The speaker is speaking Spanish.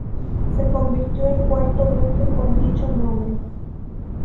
Se convirtió el cuarto buque con dicho nombre.